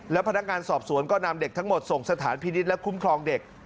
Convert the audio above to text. แล้วพนักงานสอบสวนก็นำเด็กทั้งหมดส่งสถานพินิษฐ์และคุ้มครองเด็ก